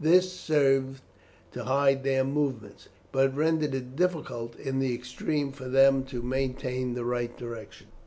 This served to hide their movements, but rendered it difficult in the extreme for them to maintain the right direction.